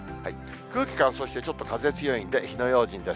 空気乾燥して、ちょっと風強いんで、火の用心です。